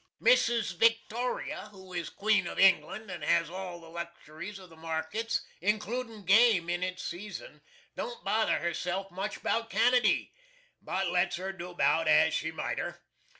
Mrs. VICTORIA, who is Queen of England, and has all the luxuries of the markets, includin' game in its season, don't bother herself much about Canady, but lets her do 'bout as she's mighter.